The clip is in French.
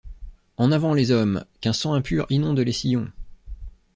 En avant les hommes! qu’un sang impur inonde les sillons !